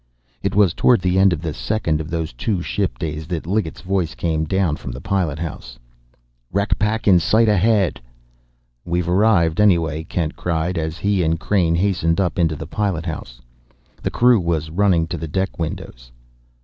It was toward the end of the second of those two ship days that Liggett's voice came down from the pilot house: "Wreck pack in sight ahead!" "We've arrived, anyway!" Kent cried, as he and Crain hastened up into the pilot house. The crew was running to the deck windows.